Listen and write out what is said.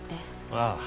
ああ。